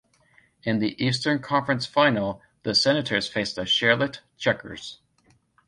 In the Eastern Conference final, the Senators faced the Charlotte Checkers.